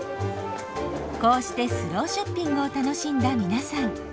こうしてスローショッピングを楽しんだ皆さん。